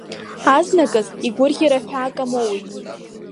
Азныказ игәырӷьара ҳәаак амоуит.